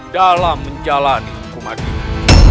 dalam menjalani hukuman ini